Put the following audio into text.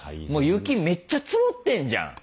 雪めっちゃ積もってんじゃん。